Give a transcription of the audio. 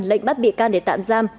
lệnh bắt bị can để tạm giam